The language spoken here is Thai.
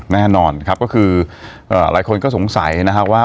แน่นอนครับก็คือหลายคนก็สงสัยนะครับว่า